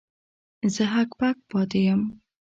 زه هک پک پاتې وم.